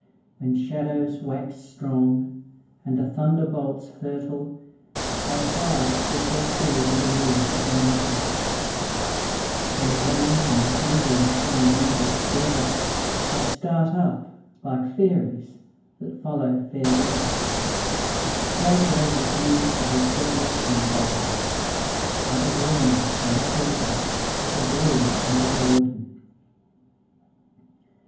When shadows wax strong, and the thunder bolts hurtle, They hide with their fear in the leaves of the myrtle; When rain and the sunbeams shine mingled togetherThey start up like fairies that follow fair weather, And straightway the hues of their feathers unfoldenAre the green and the purple, the blue and the golden.